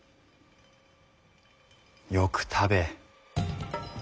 よく食べ。